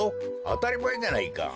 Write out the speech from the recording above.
あたりまえじゃないか。